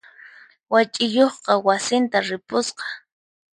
Wach'iyuqqa wasinta ripusqa.